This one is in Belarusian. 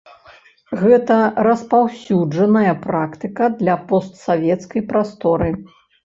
Гэта распаўсюджаная практыка для постсавецкай прасторы.